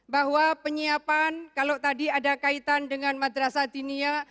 bahwa penyiapan kalau tadi ada kaitan dengan madrasa tinia